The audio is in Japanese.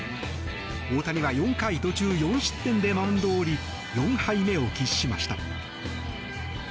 大谷は４回途中４失点でマウンドを降り４敗目を喫しました。